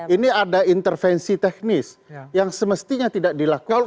ini ada intervensi teknis yang semestinya tidak dilakukan